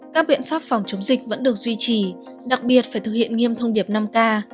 các biện pháp phòng chống dịch vẫn được duy trì đặc biệt phải thực hiện nghiêm thông điệp năm k